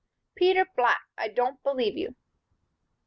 "Peter Black! I don't believe you."